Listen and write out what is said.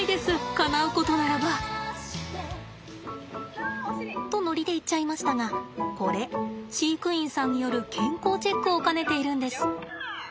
かなうことならば。とノリで言っちゃいましたがこれ飼育員さんによる健康チェックを兼ねているんです。